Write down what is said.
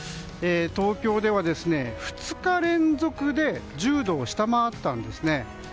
東京では２日連続で１０度を下回ったんですね。